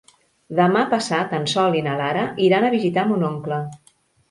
Demà passat en Sol i na Lara iran a visitar mon oncle.